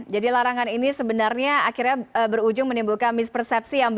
jadi larangan ini sebenarnya akhirnya berujung menimbulkan mispersepsi